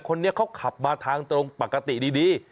คนนี้เขาขับมาทางตรงปกติดี